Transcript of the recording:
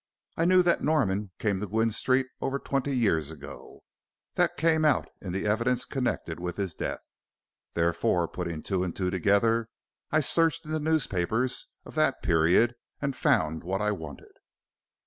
I knew that Norman came to Gwynne Street over twenty years ago that came out in the evidence connected with his death. Therefore, putting two and two together, I searched in the newspapers of that period and found what I wanted."